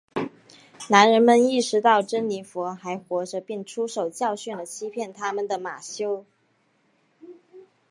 男人们意识到珍妮佛还活着并出手教训了欺骗他们的马修。